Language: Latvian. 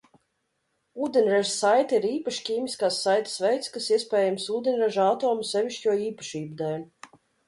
Ūdeņraža saite ir īpašs ķīmiskās saites veids, kas iespējams ūdeņraža atoma sevišķo īpašību dēļ.